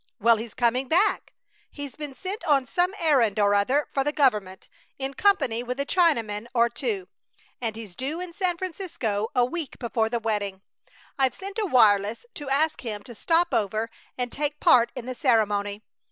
Well, he's coming back. He's been sent on some errand or other for the government, in company with a Chinaman or two, and he's due in San Francisco a week before the wedding. I've sent a wireless to ask him to stop over and take part in the ceremony.